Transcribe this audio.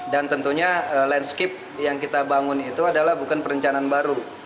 dan tentunya landscape yang kita bangun itu adalah bukan perencanaan baru